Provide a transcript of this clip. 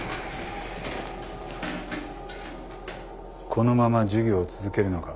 このまま授業を続けるのか？